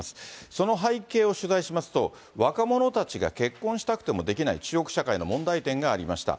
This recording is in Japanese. その背景を取材しますと、若者たちが結婚したくてもできない中国社会の問題点がありました。